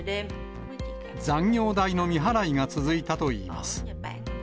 残業代の未払いが続いたといいます。